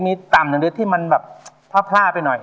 มีต่ำอย่างเดียวที่มันแบบพร่าไปหน่อย